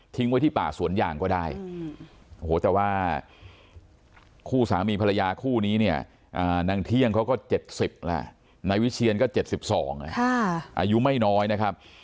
ไว้ที่ป่าสวนยางก็ได้แต่ว่าคู่สามีภรรยาคู่นี้เนี่ยนางเที่ยงเขาก็๗๐แล้วนายวิเชียนก็๗๒อายุไม่น้อยนะครับ